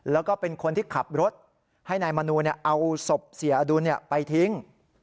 แล้วก็เป็นคนที่ขับรถให้นายมนูเอาศพเสียอดุลไปทิ้ง